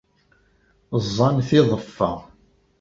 Ẓẓan tiḍeffa.